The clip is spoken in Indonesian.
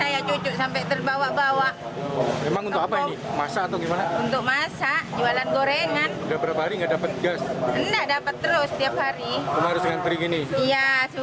iya susah cuma antri dapet terus dapetnya